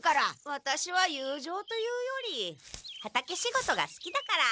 ワタシは友情というより畑仕事がすきだから。